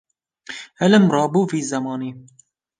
Alim rabû vî zemanî